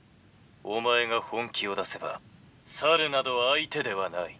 お前が本気を出せば猿など相手ではない」。